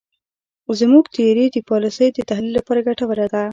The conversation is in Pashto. زموږ تیوري د پالیسیو د تحلیل لپاره ګټوره ده.